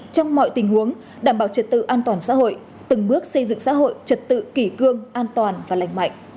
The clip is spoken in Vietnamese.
trong mọi tình huống đảm bảo trật tự an toàn xã hội từng bước xây dựng xã hội trật tự kỷ cương an toàn và lành mạnh